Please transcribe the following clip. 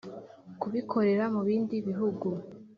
Kubikorera mu bindi bihugu